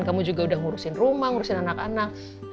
kamu juga udah ngurusin rumah ngurusin anak anak